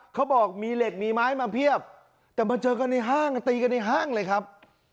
เขาบอกมีเหล็กมีไม้มาเพียบแต่มาเจอกันในห้างตีกันในห้างเลยครับ